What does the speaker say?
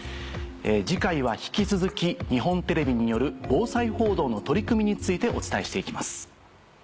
次回は引き続き日本テレビによる防災報道の取り組みについてお伝えして行きます。